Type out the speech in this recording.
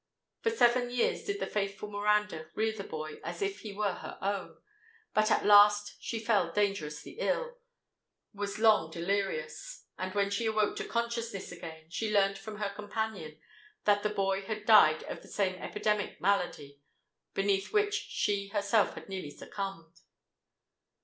For seven years did the faithful Miranda rear that boy as if he were her own; but at last she fell dangerously ill—was long delirious—and when she awoke to consciousness again, she learnt from her companions that the boy had died of the same epidemic malady beneath which she herself had nearly succumbed."